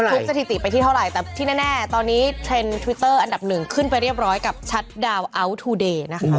สถิติไปที่เท่าไหร่แต่ที่แน่ตอนนี้เทรนด์ทวิตเตอร์อันดับหนึ่งขึ้นไปเรียบร้อยกับชัดดาวนอัลทูเดย์นะคะ